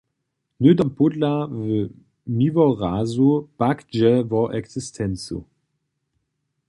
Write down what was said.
Hnydom pódla w Miłorazu pak dźe wo eksistencu.